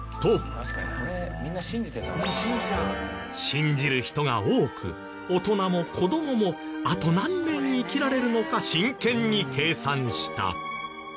信じる人が多く大人も子どももあと何年生きられるのか真剣に計算した。